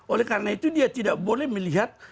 oleh karena itu dia tidak boleh melihat